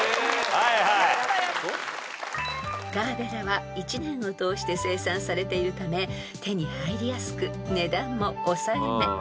［ガーベラは１年を通して生産されているため手に入りやすく値段も抑えめ］